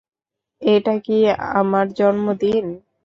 এটা কি আমার জন্মদিন?